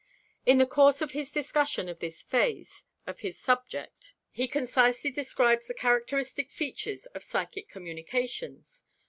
In the course of his discussion of this phase of his subject he concisely describes the characteristic features of psychic communications.